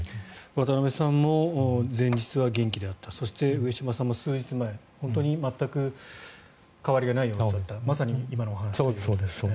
渡辺さんも前日は元気であったそして、上島さんも数日前全く変わりがない様子だったまさに今のお話。